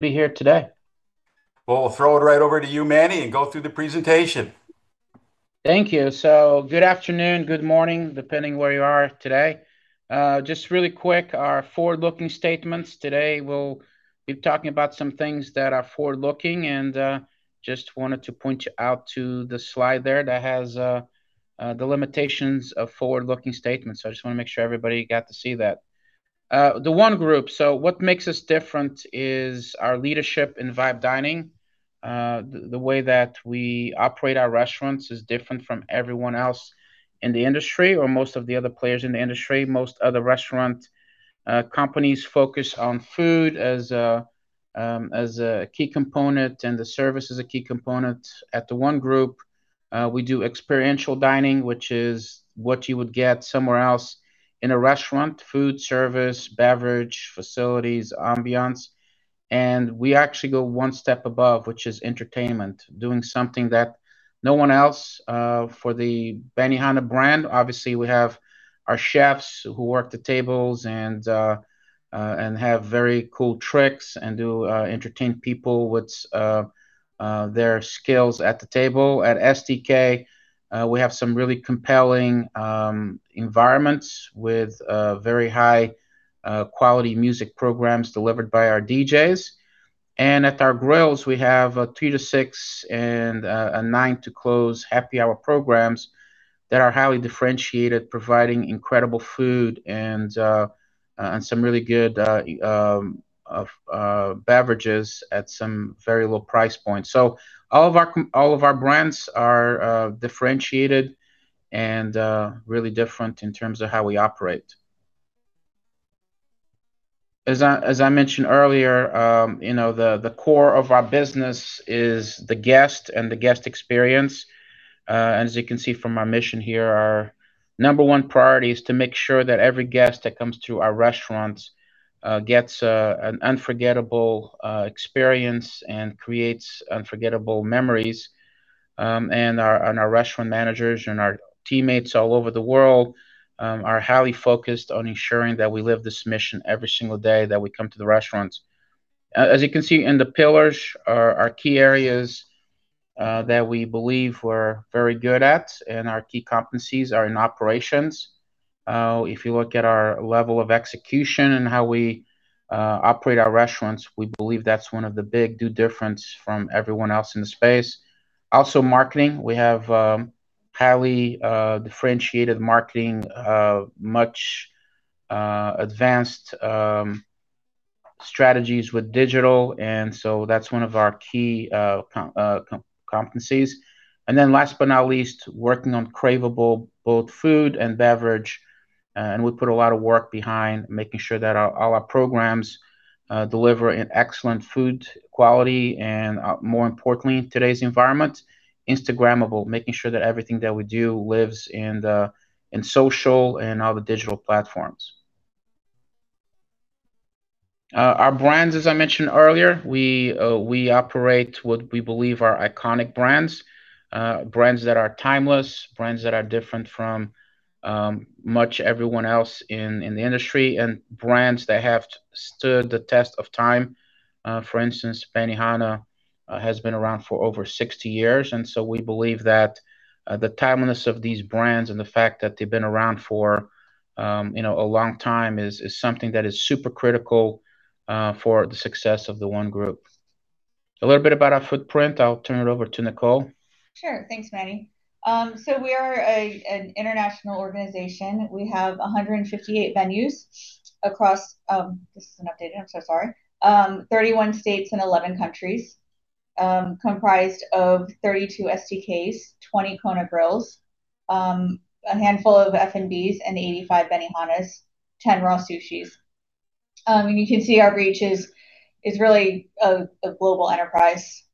Be here today. Well, we'll throw it right over to you, Manny, and go through the presentation. Thank you. Good afternoon, good morning, depending where you are today. Just really quick, our forward-looking statements. Today we'll be talking about some things that are forward-looking and just wanted to point you out to the slide there that has the limitations of forward-looking statements. I just want to make sure everybody got to see that. The ONE Group. What makes us different is our leadership in vibe dining. The way that we operate our restaurants is different from everyone else in the industry or most of the other players in the industry. Most other restaurant companies focus on food as a key component and the service as a key component. At The ONE Group, we do experiential dining, which is what you would get somewhere else in a restaurant, food service, beverage, facilities, ambiance. We actually go one step above, which is entertainment, doing something that no one else. For the Benihana brand, obviously we have our chefs who work the tables and have very cool tricks and who entertain people with their skills at the table. At STK, we have some really compelling environments with very high quality music programs delivered by our DJs. At our Grills we have a 3:00 P.M. to 6:00 P.M. and a 9:00 P.M. to close happy hour programs that are highly differentiated, providing incredible food and some really good beverages at some very low price points. All of our brands are differentiated and really different in terms of how we operate. As I mentioned earlier, the core of our business is the guest and the guest experience. As you can see from our mission here, our number one priority is to make sure that every guest that comes to our restaurants gets an unforgettable experience and creates unforgettable memories. Our restaurant managers and our teammates all over the world are highly focused on ensuring that we live this mission every single day that we come to the restaurants. As you can see in the pillars, our key areas that we believe we're very good at and our key competencies are in operations. If you look at our level of execution and how we operate our restaurants, we believe that's one of the big key difference from everyone else in the space. Also marketing. We have highly differentiated marketing, much advanced strategies with digital, that's one of our key competencies. Last but not least, working on craveable both food and beverage, we put a lot of work behind making sure that all our programs deliver an excellent food quality and, more importantly in today's environment, Instagrammable, making sure that everything that we do lives in social and all the digital platforms. Our brands, as I mentioned earlier, we operate what we believe are iconic brands. Brands that are timeless, brands that are different from much everyone else in the industry, and brands that have stood the test of time. For instance, Benihana has been around for over 60 years. We believe that the timeless of these brands and the fact that they've been around for a long time is something that is super critical for the success of The ONE Group. A little bit about our footprint. I'll turn it over to Nicole. Sure. Thanks, Manny. We are an international organization. We have 158 venues across, this isn't updated, I'm so sorry, 31 states and 11 countries, comprised of 32 STKs, 20 Kona Grills, a handful of F&Bs, and 85 Benihanas, 10 RA Sushis. You can see our reach is really a global enterprise.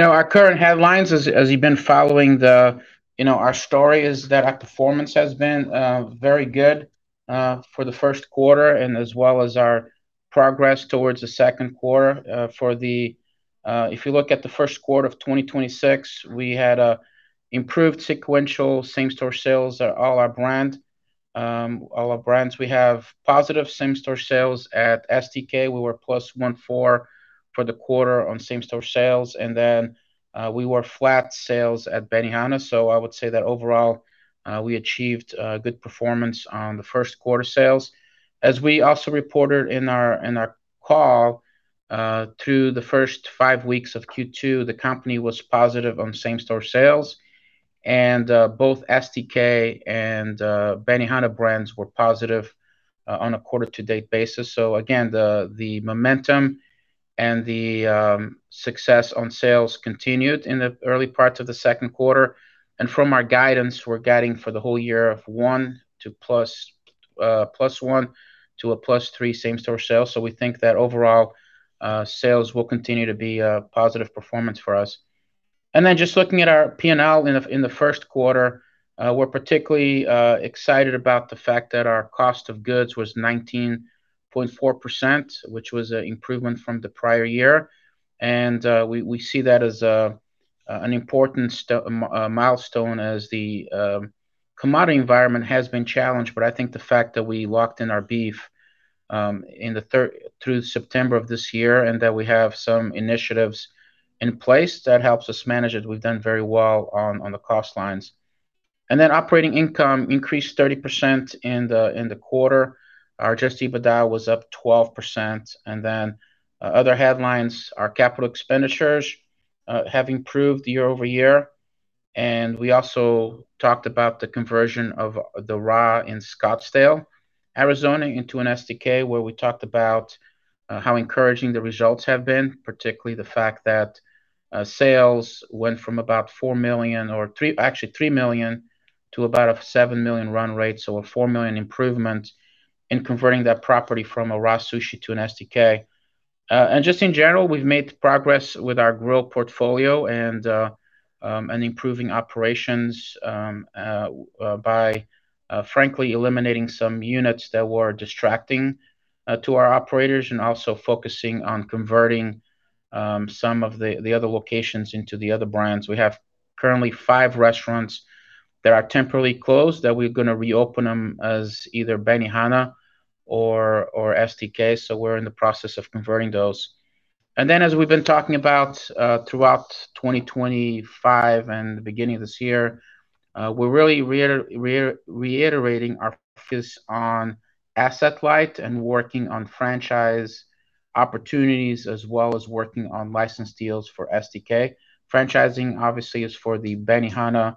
Our current headlines, as you've been following our story, is that our performance has been very good for the first quarter and as well as our progress towards the second quarter. If you look at the first quarter of 2026, we had improved sequential same-store sales at all our brands. We have positive same-store sales at STK. We were +1.4% for the quarter on same-store sales. We were flat sales at Benihana. I would say that overall, we achieved a good performance on the first quarter sales. As we also reported in our call through the first five weeks of Q2, the company was positive on same-store sales, and both STK and Benihana brands were positive on a quarter-to-date basis. Again, the momentum and the success on sales continued in the early parts of the second quarter. From our guidance, we're guiding for the whole year of 1% to +1% to a +3% same-store sales. We think that overall sales will continue to be a positive performance for us. Just looking at our P&L in the first quarter, we're particularly excited about the fact that our cost of goods was 19.4%, which was an improvement from the prior year. We see that as an important milestone as the commodity environment has been challenged, but I think the fact that we locked in our beef through September of this year, and that we have some initiatives in place that helps us manage it, we've done very well on the cost lines. Operating income increased 30% in the quarter. Our adjusted EBITDA was up 12%. Other headlines, our capital expenditures have improved year-over-year. We also talked about the conversion of the RA in Scottsdale, Arizona into an STK, where we talked about how encouraging the results have been, particularly the fact that sales went from about $3 million to about a $7 million run rate. A $4 million improvement in converting that property from a RA Sushi to an STK. Just in general, we've made progress with our grill portfolio and improving operations by frankly eliminating some units that were distracting to our operators and also focusing on converting some of the other locations into the other brands. We have currently five restaurants that are temporarily closed that we're going to reopen as either Benihana or STK, so we're in the process of converting those. As we've been talking about throughout 2025 and the beginning of this year, we're really reiterating our focus on asset light and working on franchise opportunities, as well as working on license deals for STK. Franchising obviously is for the Benihana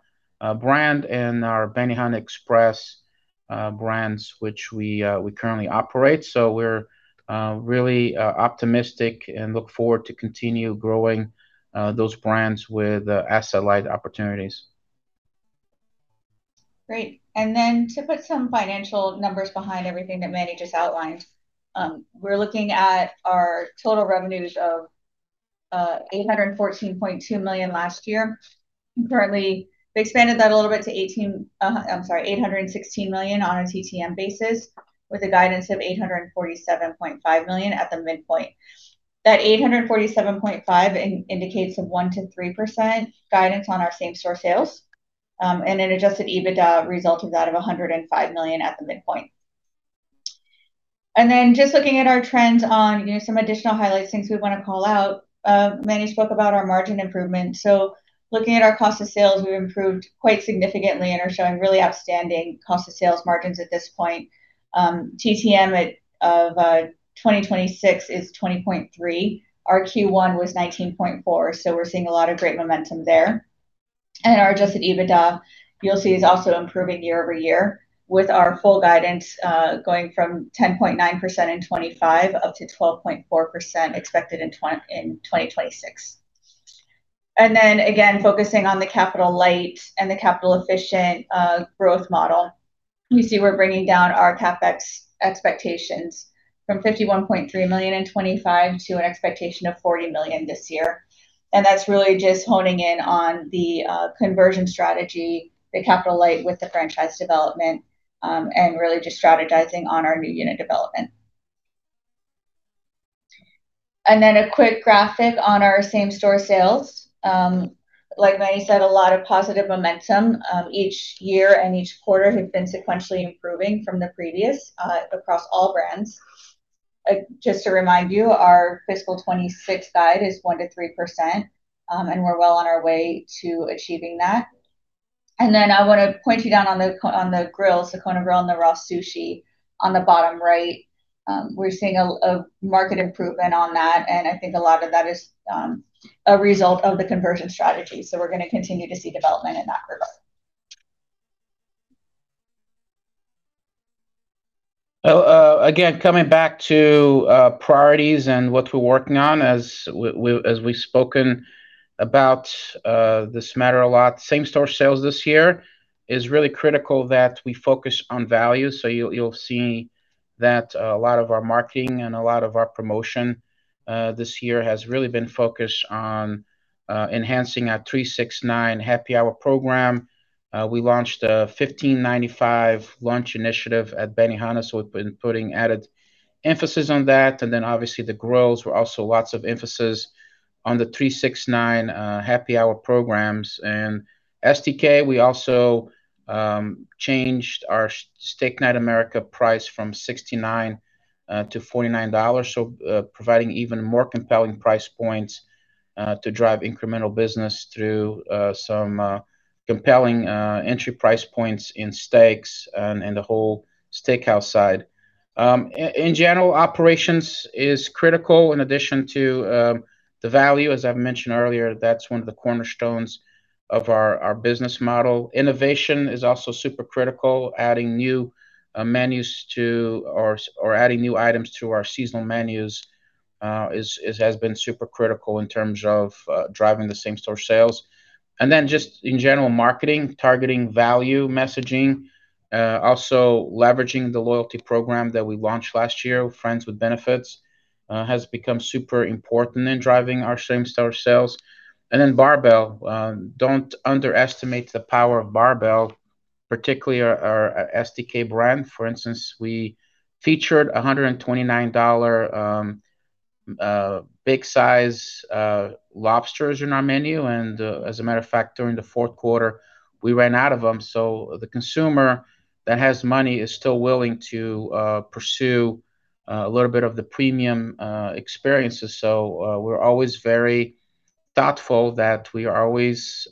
brand and our Benihana Express brands, which we currently operate. We're really optimistic and look forward to continue growing those brands with asset light opportunities. Great. Then to put some financial numbers behind everything that Manny just outlined. We're looking at our total revenues of $814.2 million last year. Currently, we expanded that a little bit to $816 million on a TTM basis, with a guidance of $847.5 million at the midpoint. That 847.5 indicates a 1%-3% guidance on our same-store sales. An adjusted EBITDA result of that of $105 million at the midpoint. Then just looking at our trends on some additional highlights, things we want to call out. Manny spoke about our margin improvement. Looking at our cost of sales, we've improved quite significantly and are showing really outstanding cost of sales margins at this point. TTM of 2026 is 20.3%. Our Q1 was 19.4%, so we're seeing a lot of great momentum there. Our adjusted EBITDA you'll see is also improving year-over-year with our full guidance, going from 10.9% in 2025 up to 12.4% expected in 2026. Again, focusing on the asset light and the capital efficient growth model. You see we're bringing down our CapEx expectations from $51.3 million in 2025 to an expectation of $40 million this year. That's really just honing in on the conversion strategy, the asset light with the franchise development, and really just strategizing on our new unit development. A quick graphic on our same-store sales. Like Manny said, a lot of positive momentum. Each year and each quarter have been sequentially improving from the previous, across all brands. Just to remind you, our fiscal 2026 guide is 1%-3%, and we're well on our way to achieving that. I want to point you down on the grill, Kona Grill and the RA Sushi on the bottom right. We're seeing a market improvement on that, and I think a lot of that is a result of the conversion strategy. We're going to continue to see development in that regard. Coming back to priorities and what we're working on. As we've spoken about this matter a lot. Same-store sales this year is really critical that we focus on value. You'll see that a lot of our marketing and a lot of our promotion this year has really been focused on enhancing our 3-6-9 Happy Hour program. We launched a $15.95 lunch initiative at Benihana, we've been putting added emphasis on that. Obviously the Grills were also lots of emphasis on the 3-6-9 Happy Hour programs. STK, we also changed our Steak Night America price from $69 to $49. Providing even more compelling price points to drive incremental business through some compelling entry price points in steaks and the whole steakhouse side. In general, operations is critical. In addition to the value, as I've mentioned earlier, that's one of the cornerstones of our business model. Innovation is also super critical. Adding new menus to or adding new items to our seasonal menus has been super critical in terms of driving the same-store sales. Just in general, marketing, targeting value messaging. Also leveraging the loyalty program that we launched last year, Friends with Benefits, has become super important in driving our same-store sales. Barbell. Don't underestimate the power of barbell. Particularly our STK brand. For instance, we featured $129 big size lobsters in our menu, and as a matter of fact, during the fourth quarter, we ran out of them. The consumer that has money is still willing to pursue a little bit of the premium experiences. We are always very thoughtful that we are always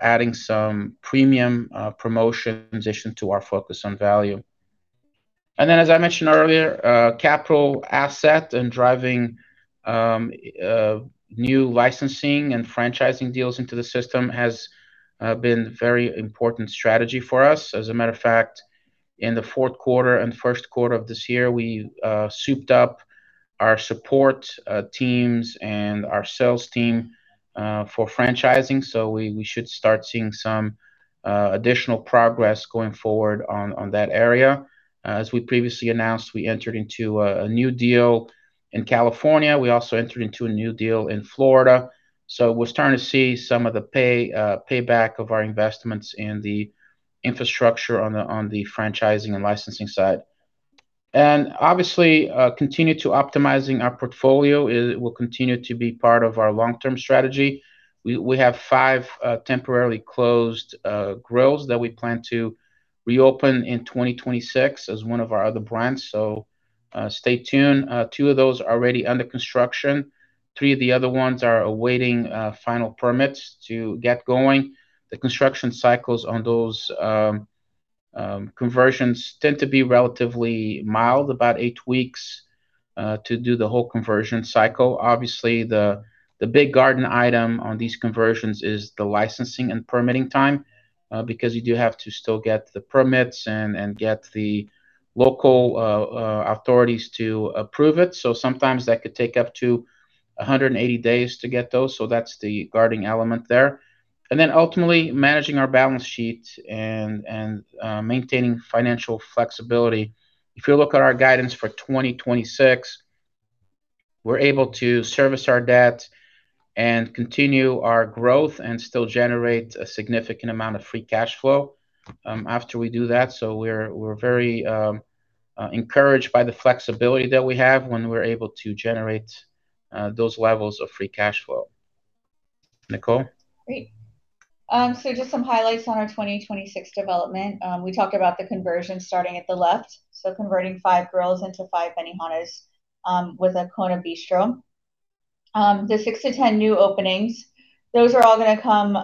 adding some premium promotion in addition to our focus on value. As I mentioned earlier, capital asset and driving new licensing and franchising deals into the system has been very important strategy for us. As a matter of fact, in the fourth quarter and first quarter of this year, we souped up our support teams and our sales team for franchising. We should start seeing some additional progress going forward on that area. As we previously announced, we entered into a new deal in California. We also entered into a new deal in Florida, so we're starting to see some of the payback of our investments in the infrastructure on the franchising and licensing side. Obviously, continue to optimizing our portfolio. It will continue to be part of our long-term strategy. We have five temporarily closed Grills that we plan to reopen in 2026 as one of our other brands, so stay tuned. Two of those are already under construction. Three of the other ones are awaiting final permits to get going. The construction cycles on those conversions tend to be relatively mild, about eight weeks to do the whole conversion cycle. Obviously, the big guarding element on these conversions is the licensing and permitting time, because you do have to still get the permits and get the local authorities to approve it. Sometimes that could take up to 180 days to get those, so that's the guarding element there. Ultimately, managing our balance sheet and maintaining financial flexibility. If you look at our guidance for 2026, we're able to service our debt and continue our growth and still generate a significant amount of free cash flow after we do that. We're very encouraged by the flexibility that we have when we're able to generate those levels of free cash flow. Nicole? Great. Just some highlights on our 2026 development. We talk about the conversion starting at the left, converting five Grills into five Benihanas with a Kona [Bistro]. The 6-10 new openings, those are all going to come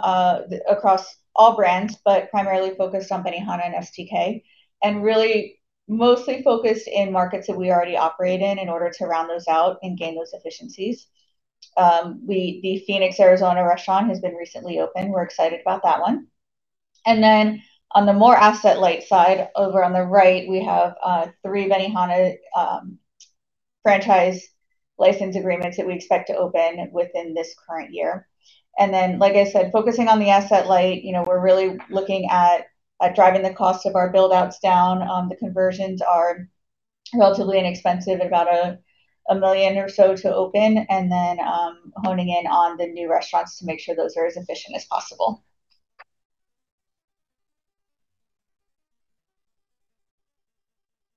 across all brands, but primarily focused on Benihana and STK, and really mostly focused in markets that we already operate in in order to round those out and gain those efficiencies. The Phoenix, Arizona restaurant has been recently opened. We're excited about that one. On the more asset light side over on the right, we have three Benihana franchise license agreements that we expect to open within this current year. Like I said, focusing on the asset light, we're really looking at driving the cost of our build-outs down. The conversions are relatively inexpensive, about $1 million or so to open. Honing in on the new restaurants to make sure those are as efficient as possible.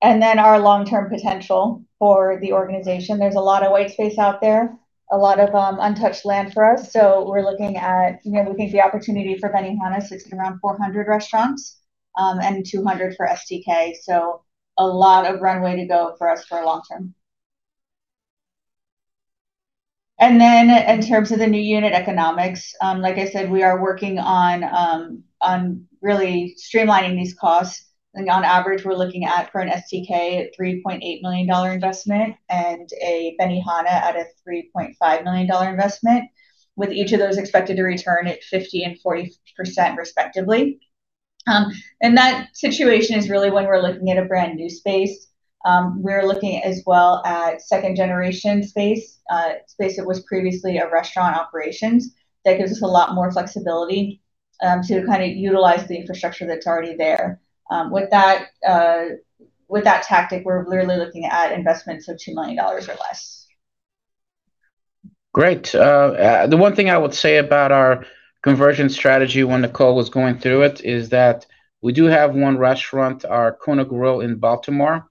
Our long-term potential for the organization, there's a lot of white space out there, a lot of untouched land for us. We're looking at the opportunity for Benihana sitting around 400 restaurants, and 200 for STK, a lot of runway to go for us for our long-term. In terms of the new unit economics, like I said, we are working on really streamlining these costs. On average, we're looking at, for an STK, a $3.8 million investment and a Benihana at a $3.5 million investment, with each of those expected to return at 50% and 40%, respectively. That situation is really when we're looking at a brand-new space. We're looking as well at second-generation space, a space that was previously a restaurant operations. That gives us a lot more flexibility to utilize the infrastructure that's already there. With that tactic, we're literally looking at investments of $2 million or less. Great. The one thing I would say about our conversion strategy when Nicole was going through it is that we do have one restaurant, our Kona Grill in Baltimore,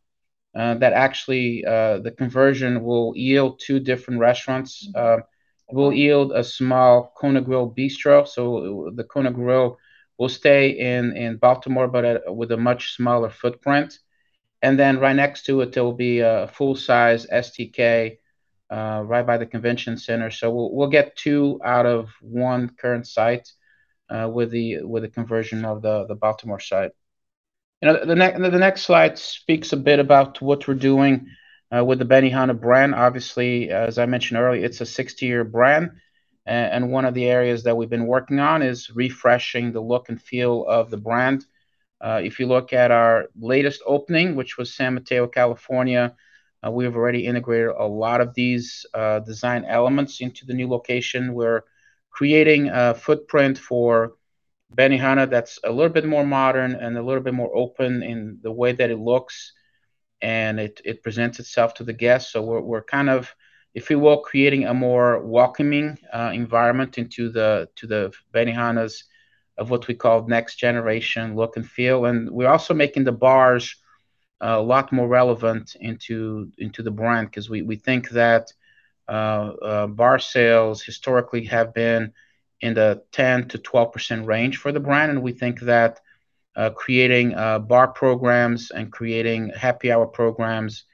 that actually the conversion will yield two different restaurants. Will yield a small Kona Grill Bistro. The Kona Grill will stay in Baltimore, but with a much smaller footprint. Right next to it, there will be a full-size STK right by the convention center. We'll get two out of one current site with the conversion of the Baltimore site. The next slide speaks a bit about what we're doing with the Benihana brand. Obviously, as I mentioned earlier, it's a 60-year brand, and one of the areas that we've been working on is refreshing the look and feel of the brand. If you look at our latest opening, which was San Mateo, California, we have already integrated a lot of these design elements into the new location. We're creating a footprint for Benihana that's a little bit more modern and a little bit more open in the way that it looks. It presents itself to the guests. We're kind of, if you will, creating a more welcoming environment into the Benihana of what we call next generation look and feel. We're also making the bars a lot more relevant into the brand, because we think that bar sales historically have been in the 10%-12% range for the brand. We think that creating bar programs and creating happy hour programs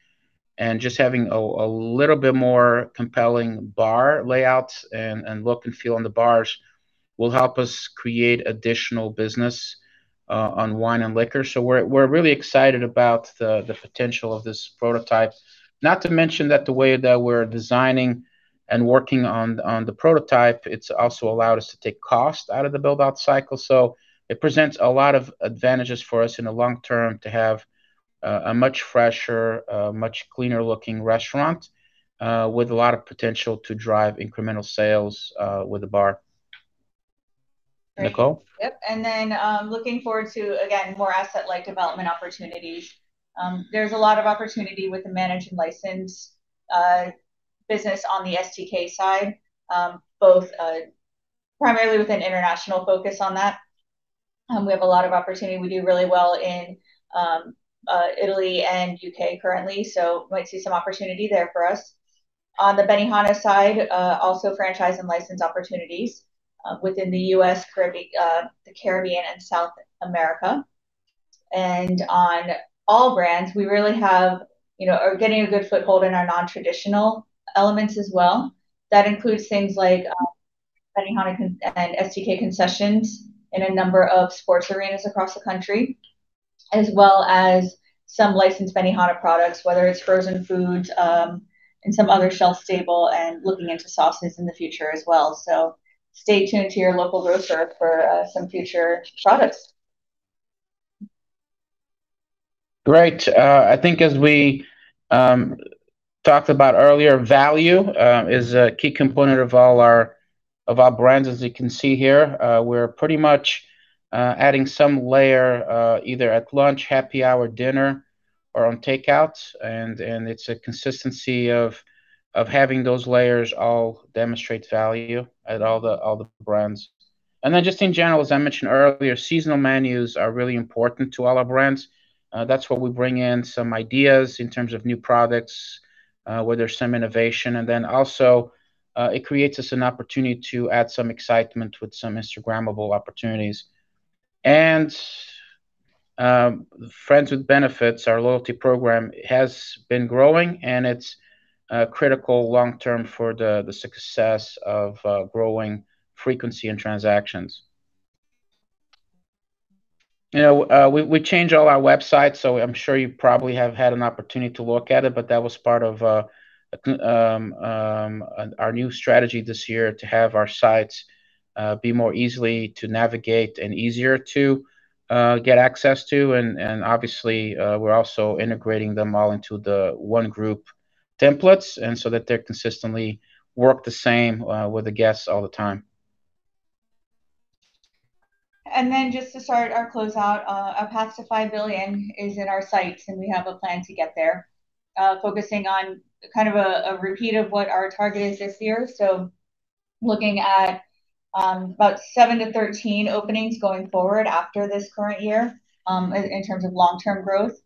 and just having a little bit more compelling bar layouts and look and feel in the bars will help us create additional business on wine and liquor. We're really excited about the potential of this prototype. Not to mention that the way that we're designing and working on the prototype, it's also allowed us to take cost out of the build-out cycle. It presents a lot of advantages for us in the long term to have a much fresher, a much cleaner looking restaurant with a lot of potential to drive incremental sales with the bar. Nicole? Yep, looking forward to, again, more asset light development opportunities. There's a lot of opportunity with the manage and license business on the STK side, both primarily with an international focus on that. We have a lot of opportunity. We do really well in Italy and U.K. currently, might see some opportunity there for us. On the Benihana side, also franchise and license opportunities within the U.S., the Caribbean and South America. On all brands, we really have or getting a good foothold in our nontraditional elements as well. That includes things like Benihana and STK concessions in a number of sports arenas across the country, as well as some licensed Benihana products, whether it's frozen food, and some other shelf stable and looking into sauces in the future as well. Stay tuned to your local grocer for some future products. Great. I think as we talked about earlier, value is a key component of all our brands. As you can see here, we're pretty much adding some layer either at lunch, happy hour, dinner, or on takeout. It's a consistency of having those layers all demonstrate value at all the brands. Just in general, as I mentioned earlier, seasonal menus are really important to all our brands. That's what we bring in some ideas in terms of new products, where there's some innovation. Also, it creates us an opportunity to add some excitement with some Instagrammable opportunities. Friends with Benefits, our loyalty program, has been growing, and it's critical long term for the success of growing frequency and transactions. We changed all our websites, so I'm sure you probably have had an opportunity to look at it, but that was part of our new strategy this year to have our sites be more easily to navigate and easier to get access to. Obviously, we're also integrating them all into The ONE Group templates and so that they consistently work the same with the guests all the time. Just to start our closeout, a path to $5 billion is in our sights and we have a plan to get there, focusing on kind of a repeat of what our target is this year. Looking at about 7-13 openings going forward after this current year, in terms of long term growth.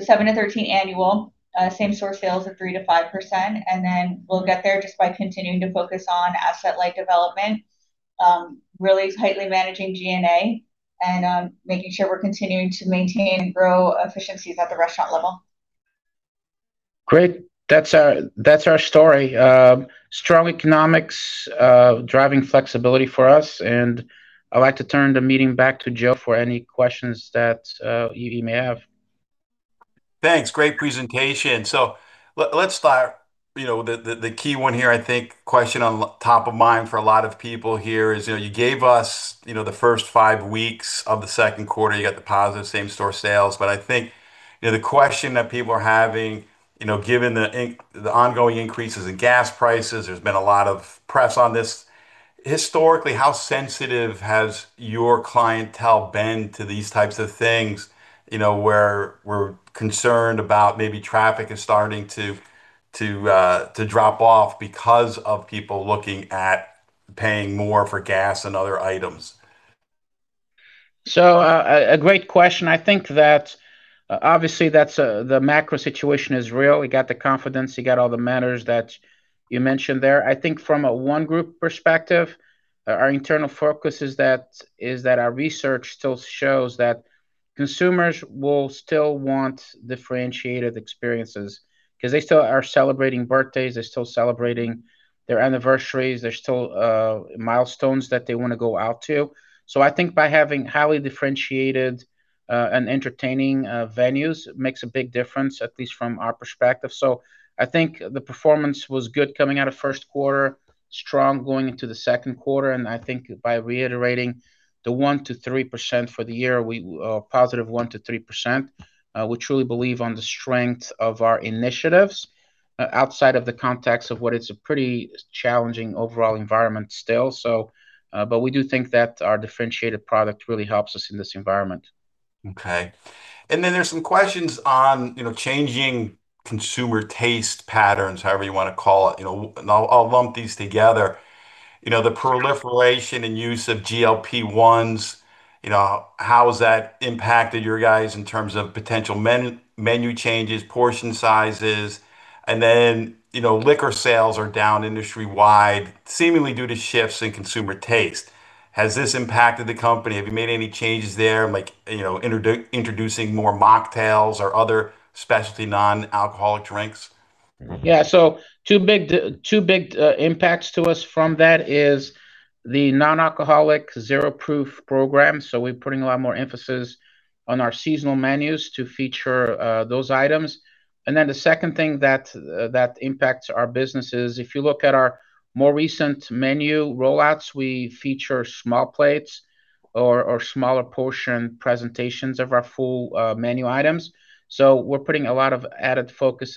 Seven to 13 annual, same-store sales of 3%-5%, and we'll get there just by continuing to focus on asset light development, really tightly managing G&A and making sure we're continuing to maintain and grow efficiencies at the restaurant level. Great. That's our story. Strong economics driving flexibility for us. I'd like to turn the meeting back to Joe for any questions that you may have. Thanks. Great presentation. Let's start. The key one here, I think question on top of mind for a lot of people here is you gave us the first five weeks of the second quarter, you got the positive same-store sales. I think the question that people are having given the ongoing increases in gas prices, there's been a lot of press on this. Historically, how sensitive has your clientele been to these types of things where we're concerned about maybe traffic is starting to drop off because of people looking at paying more for gas and other items? A great question. I think that obviously that's the macro situation is real. You got the confidence, you got all the matters that you mentioned there. I think from a ONE Group perspective, our internal focus is that our research still shows that consumers will still want differentiated experiences because they still are celebrating birthdays, they're still celebrating their anniversaries, there's still milestones that they want to go out to. I think by having highly differentiated and entertaining venues makes a big difference, at least from our perspective. I think the performance was good coming out of first quarter, strong going into the second quarter. I think by reiterating the 1%-3% for the year, positive 1%-3%, we truly believe on the strength of our initiatives. Outside of the context of what is a pretty challenging overall environment still. We do think that our differentiated product really helps us in this environment. Okay. Then there's some questions on changing consumer taste patterns, however you want to call it. I'll lump these together. The proliferation and use of GLP-1s, how has that impacted your guys in terms of potential menu changes, portion sizes? Then liquor sales are down industry-wide, seemingly due to shifts in consumer taste. Has this impacted the company? Have you made any changes there, like introducing more mocktails or other specialty non-alcoholic drinks? Two big impacts to us from that is the non-alcoholic zero-proof program. We're putting a lot more emphasis on our seasonal menus to feature those items. The second thing that impacts our business is if you look at our more recent menu rollouts, we feature small plates or smaller portion presentations of our full menu items. We're putting a lot of added focus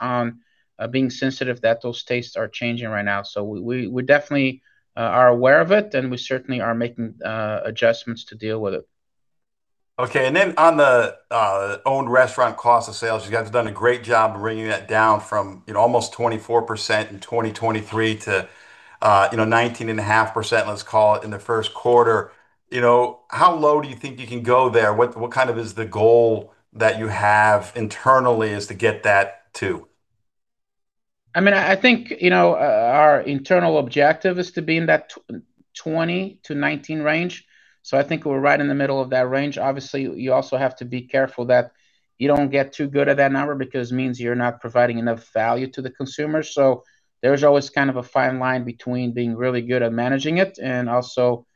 on being sensitive that those tastes are changing right now. We definitely are aware of it, and we certainly are making adjustments to deal with it. On the owned restaurant cost of sales, you guys have done a great job of bringing that down from almost 24% in 2023 to 19.5%, let's call it, in the first quarter. How low do you think you can go there? What kind of is the goal that you have internally is to get that to? I think our internal objective is to be in that 20-19 range. I think we're right in the middle of that range. Obviously, you also have to be careful that you don't get too good at that number because it means you're not providing enough value to the consumer. There's always kind of a fine line between being really good at managing it and also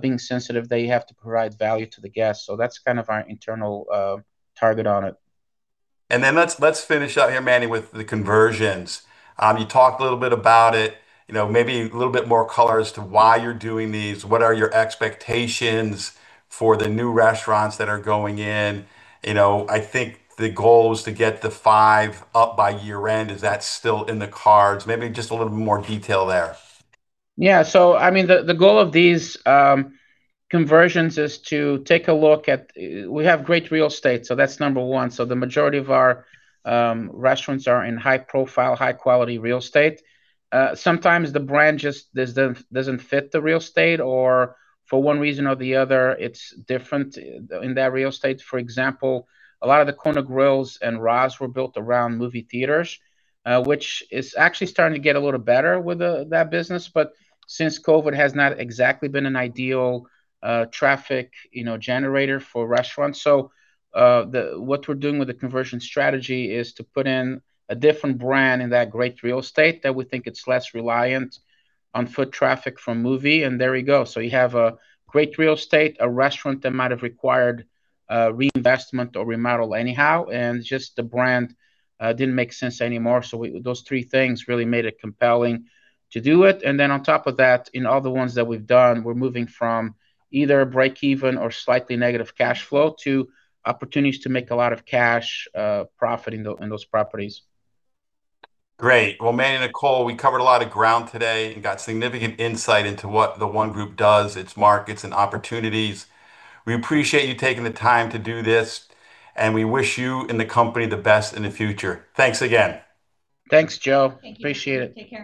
being sensitive that you have to provide value to the guest. That's kind of our internal target on it. Let's finish out here, Manny, with the conversions. You talked a little bit about it. Maybe a little bit more color as to why you're doing these. What are your expectations for the new restaurants that are going in? I think the goal was to get to five up by year-end. Is that still in the cards? Maybe just a little bit more detail there. Yeah. The goal of this conversion is take a look at, we have great real estate, so that's number one. The majority of our restaurants are in high profile, high quality real estate. Sometimes the brand just doesn't fit the real estate, or for one reason or the other, it's different in that real estate. For example, a lot of the Kona Grill and RA were built around movie theaters, which is actually starting to get a little better with that business, but since COVID, has not exactly been an ideal traffic generator for restaurants. What we're doing with the conversion strategy is to put in a different brand in that great real estate that we think it's less reliant on foot traffic from movie theaters, and there you go. You have a great real estate, a restaurant that might have required reinvestment or remodel anyhow, and just the brand didn't make sense anymore. Those three things really made it compelling to do it. On top of that, in all the ones that we've done, we're moving from either break even or slightly negative cash flow to opportunities to make a lot of cash profit in those properties. Great. Well, Manny and Nicole, we covered a lot of ground today and got significant insight into what The ONE Group does, its markets and opportunities. We appreciate you taking the time to do this, and we wish you and the company the best in the future. Thanks again. Thanks, Joe. Thank you. Appreciate it. Take care.